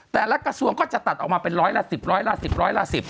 แต่ละกระทรวงก็จะตัดออกมาเป็นร้อยละ๑๐ร้อยละ๑๐ร้อยละ๑๐